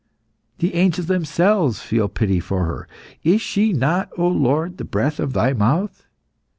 The angels themselves feel pity for her. Is she not, O Lord, the breath of Thy mouth?